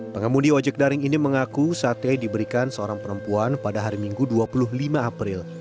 pengemudi ojek daring ini mengaku sate diberikan seorang perempuan pada hari minggu dua puluh lima april